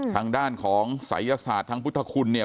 ทางด้านของศัยศาสตร์ทางพุทธคุณเนี่ย